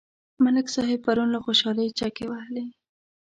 ملک صاحب پرون له خوشحالۍ چکې وهلې.